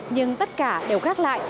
nhưng tất cả đều khác lại